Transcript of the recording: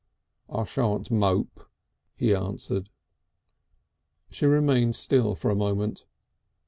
"I shan't mope," he answered. She remained still for a moment.